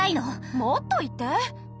もっと言って。